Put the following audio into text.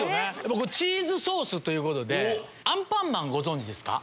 僕チーズソースということで『アンパンマン』ご存じですか？